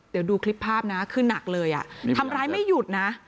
เดี๋ยวดูคลิปภาพนะคือหนักเลยทำร้ายไม่หยุดนะ